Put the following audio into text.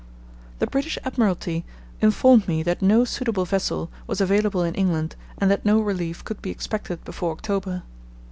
The British Admiralty informed me that no suitable vessel was available in England and that no relief could be expected before October.